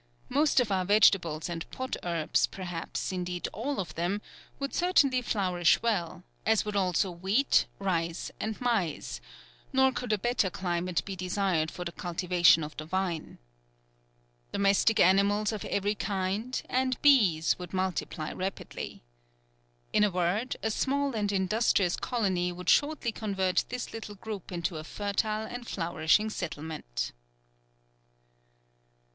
Most of our vegetables and pot herbs, perhaps, indeed, all of them would certainly flourish well, as would also wheat, rice, and maize, nor could a better climate be desired for the cultivation of the vine. Domestic animals of every kind and bees would multiply rapidly. In a word, a small and industrious colony would shortly convert this little group into a fertile and flourishing settlement."